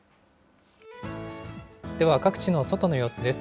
では、各地の外の様子です。